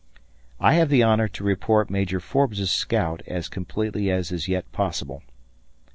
I have the honor to report Major Forbes' scout as completely as is yet possible.